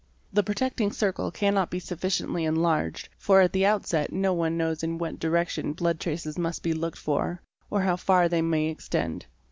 'The protecting circle cannot' be sufficiently enlarged, for at the outset no one knows in what direction blood traces must be looked for or how far they may extend.